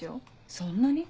そんなに？